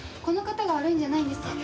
この方が悪いんじゃないんです。